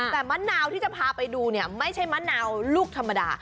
แต่มะนาวที่จะพาไปดูเนี่ยไม่ใช่มะนาวลูกธรรมดา